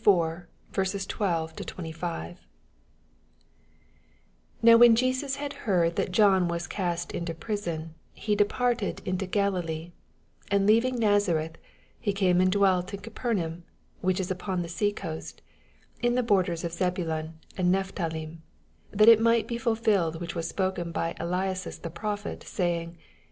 MATTHEW IV. 12—26. 12 Now when Jmas bad heard that John was cast into prison, he departed into Galilee ; 18 And leaving Nazareth, he came and dwelt in Gapemanm, which is Upon the sea coast, in the borders of Zabalon and Nephthfdim : 14 That it might be fulfilled which was spoken by Esuas the prophet, •aying.